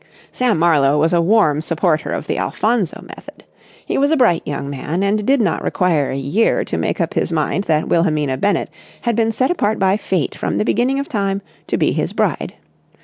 '" Sam Marlowe was a warm supporter of the Alphonso method. He was a bright young man and did not require a year to make up his mind that Wilhelmina Bennett had been set apart by Fate from the beginning of time to be his bride.